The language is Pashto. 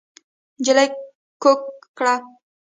نجلۍ کوکه کړه.